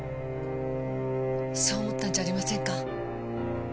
そう思ったんじゃありませんか？